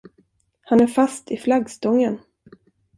Han är fast i flaggstången.